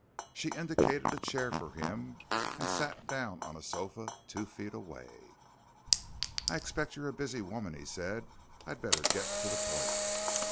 She indicated a chair for him and sat down on a sofa two feet away. "I expect you're a busy woman," he said. "I'd better get to the point."